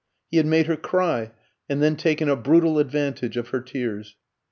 He had made her cry, and then taken a brutal advantage of her tears.